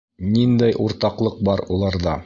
Ниндәй уртаҡлыҡ бар уларҙа?